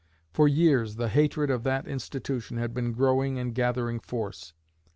For years the hatred of that institution had been growing and gathering force.